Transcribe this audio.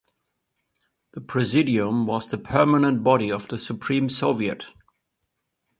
The presidium was the permanent body of the Supreme Soviet.